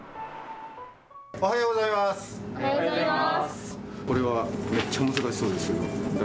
おはようございます。